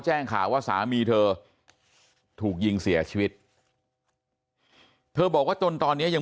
แจ้งข่าวว่าสามีเธอถูกยิงเสียชีวิตเธอบอกว่าจนตอนนี้ยัง